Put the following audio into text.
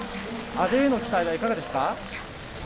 阿部への期待はいかがですか。